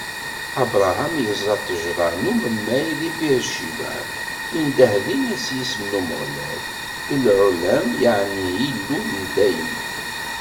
Abṛaham iẓẓa ṭṭejṛa n umemmay di Bir Cibaɛ, indeh dinna s yisem n Umeɣlal, Il Ɛulam, yeɛni Illu n dayem.